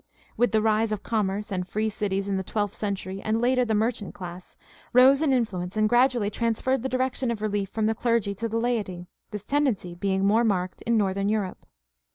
With the rise of commerce and free cities in the twelfth century and later the merchant class rose in influence and gradually transferred the direction of relief from the clergy to the laity, this tendency being more marked in Northern Europe.